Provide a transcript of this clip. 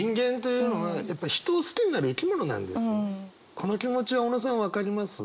この気持ちは小野さん分かります？